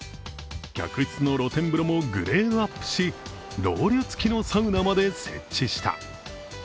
客室の露天風呂もグレードアップし、ロウリュつきのサウナまで設置した。